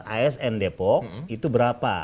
asn depok itu berapa